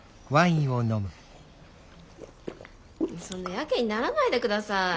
そんなヤケにならないで下さい。